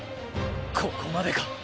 ここまでか。